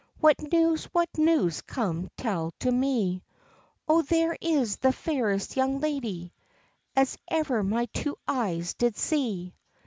What news, what news? come tell to me:" "O there is the fairest young lady As ever my two eyes did see.